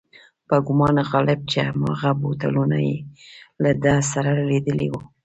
په ګومان غالب چې هماغه بوتلونه یې له ده سره لیدلي و.